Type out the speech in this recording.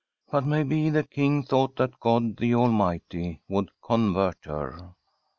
But maybe the King thought that God the Almighty would convert her.